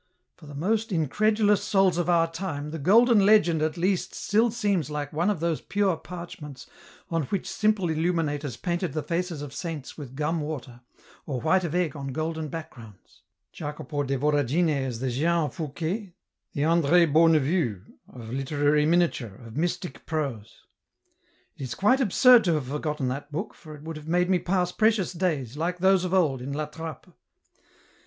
For the most incredulous souls of our time, the Golden Legend at least still seems like one of those pure parchments, on which simple illuminators painted the faces of saints with gum water, or white of egg on golden backgrounds. Jacopo de Voragine is the Jehan Fouquet, the Andrd Beaunevue, of literary miniature, of mystic prose !" It is quite absurd to have forgotten that book, for it would have made me pass precious days, like those of old, in La Trappe.